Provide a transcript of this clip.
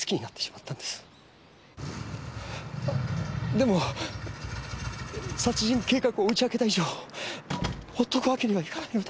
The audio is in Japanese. でも殺人計画を打ち明けた以上放っとくわけにはいかないので。